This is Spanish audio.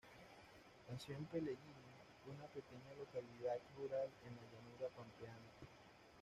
Nació en Pellegrini, una pequeña localidad rural en la llanura pampeana.